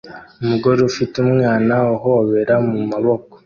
Umugore ufite umwana uhobera mu maboko